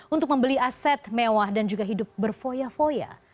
untuk membeli aset mewah dan juga hidup berfoya foya